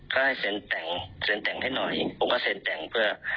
ก็ให้เซ็นแต่งให้หน่อยผมก็เซ็นแต่งเพื่อ